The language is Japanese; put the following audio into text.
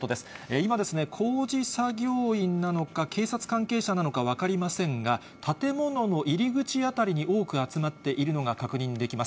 今、工事作業員なのか、警察関係者なのか分かりませんが、建物の入り口辺りに多く集まっているのが確認できます。